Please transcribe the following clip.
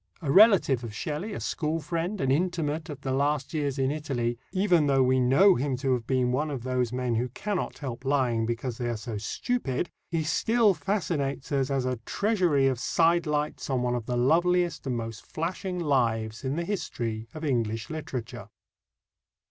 A relative of Shelley, a school friend, an intimate of the last years in Italy, even though we know him to have been one of those men who cannot help lying because they are so stupid, he still fascinates us as a treasury of sidelights on one of the loveliest and most flashing lives in the history of English literature.